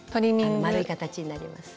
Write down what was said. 丸い形になります。